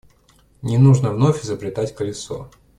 Не нужно вновь изобретать колесо.